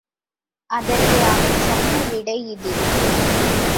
அதற்கு அவன் சொன்ன விடை இது.